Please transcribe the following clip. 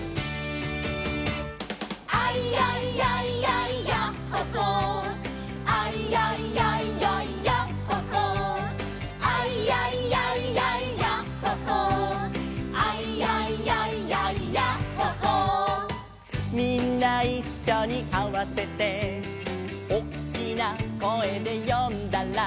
「アイヤイヤイヤイヤッホ・ホー」「アイヤイヤイヤイヤッホ・ホー」「アイヤイヤイヤイヤッホ・ホー」「アイヤイヤイヤイヤッホ・ホー」「みんないっしょにあわせて」「おっきな声で呼んだら」